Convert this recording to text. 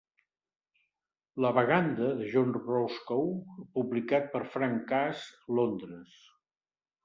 'La Baganda' de John Roscoe, publicat per Frank Cass, Londres.